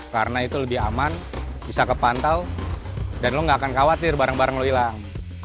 karena itu lebih aman bisa kepantau dan lo nggak akan khawatir barang barang lo hilang